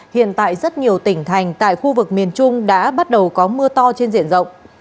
hiện tại rất nhiều tỉnh thành tại khu vực miền trung đã bắt đầu có mưa to trên diện rộng